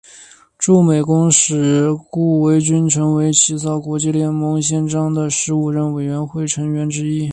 驻美公使顾维钧成为起草国际联盟宪章的十五人委员会成员之一。